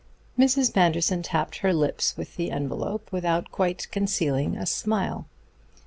Mrs. Manderson tapped her lips with the envelop without quite concealing a smile.